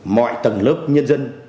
mọi tầng lớp nhân dân